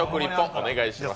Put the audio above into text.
お願いします。